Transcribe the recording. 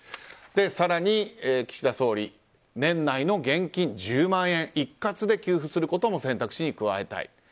更に、岸田総理年内の現金１０万円一括で給付することも選択肢に加えたい。